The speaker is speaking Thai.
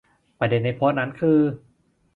ประเด็นในโพสต์นั้นคือ